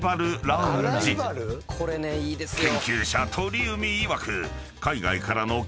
［研究者鳥海いわく］